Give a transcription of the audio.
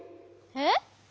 えっ？